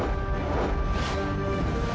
assalamualaikum warahmatullahi wabarakatuh